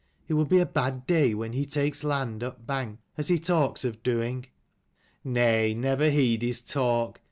It will be a bad day when he takes land upbank, as he talks of doing." " Nay, never heed his talk.